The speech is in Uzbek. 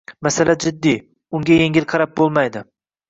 – masala jiddiy, unga yengil qarab bo‘lmaydi.